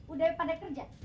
udah pada kerja